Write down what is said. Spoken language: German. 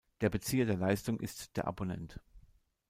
Der Bezieher der Leistung ist der Abonnent.